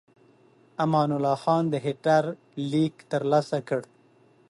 امان الله خان د هیټلر لیک ترلاسه کړ.